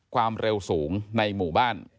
ความเร็วสูงในหมู่บ้าน